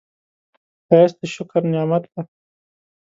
ښایست د شکر نعمت دی